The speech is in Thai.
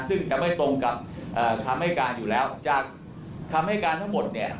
ซึ่งจะไม่ตรงกับคำให้การอยู่แล้วจากคำให้การทั้งหมดเนี่ย